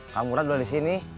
kamu udah disini